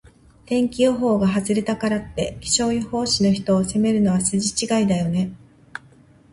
天気予報が外れたからって、気象予報士の人を責めるのは筋違いだよね。